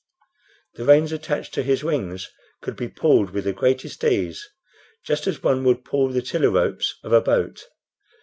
The reins attached to his wings could be pulled with the greatest ease, Just as one would pull the tiller ropes of a boat.